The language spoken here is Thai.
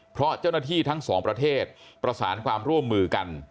เพราะเจ้าหน้าที่ทั้งสองประเทศประสานความร่วมมือกัน